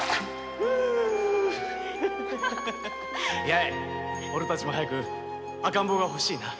八重おれたちも早く赤ん坊が欲しいな。